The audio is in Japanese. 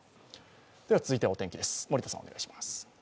続いてはお天気です。